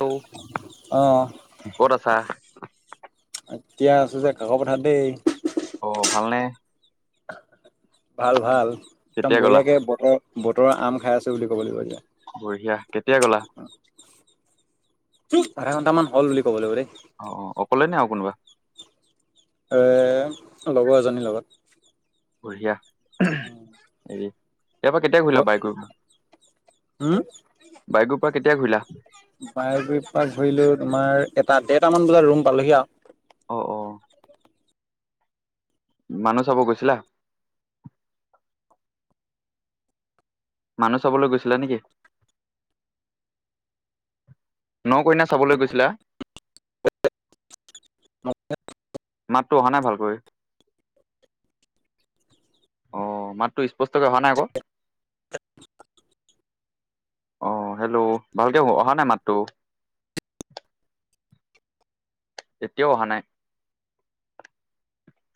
Hello অ'। ক'ত আছা? এতিয়া আছোঁ যে কাক পথাৰত দেই। অ', ভালনে? ভাল ভাল, একদম কেতিয়া গ'লা? বঢিয়াকে বহি বতৰৰ আম খাই আছোঁ বুলি ক'ব লাগিব এতিয়া। বঢ়িয়া। কেতিয়া গ'লা? আধা ঘন্টা মান হ'ল বুলি ক'ব লাগিব দে। অ', অকলে নে আৰু কোনোবা? এ, লগৰ এজনীৰ লগত। বঢ়িয়া, হেৰি তাৰপৰা কেতিয়া ঘূৰিলা বাই [unintelligible] হু? বায়গৰ পৰা কেতিয়া ঘূৰিলা? বায়গুৰিৰ পৰা ঘূৰিলো তোমাৰ এটা, দেৰটামান বজাত ৰুম পালোহি আৰু। অ', অ'। মানুহ চাব গৈছিলা? মানুহ চাবলৈ গৈছিলা নেকি? ন' কইনা চাবলৈ গৈছিলা। [unintelligible] মাতটো অহা নাই ভালকৈ। অ', মাতটো স্পষ্টকৈ অহা নাই আকৌ। অ', হেল্ল'। ভালকে অহা নাই মাতটো। এতিয়াও অহা নাই।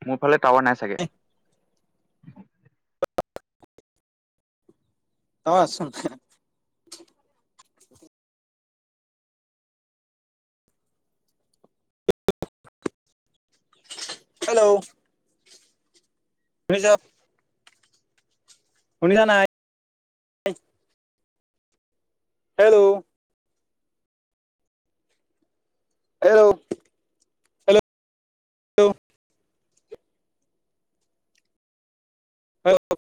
মোৰ ফালে টাৱাৰ নাই চাগে। [inaudible] তই আছোন হেল্ল'। শুনিছ? শুনিছা নাই? হেল্ল'। হেল্ল'। [unintelligible] [unintelligible]